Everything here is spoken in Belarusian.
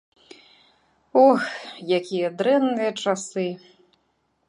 Ох, якія дрэнныя часы!